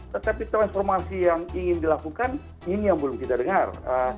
tetapi transformasi yang ingin dilakukan ini yang belum kita dengar